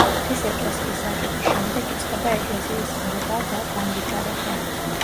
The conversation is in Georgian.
ხის ეკლესიის აგების შემდეგ იწყება ეკლესიის ზრდა ვა განვითარება.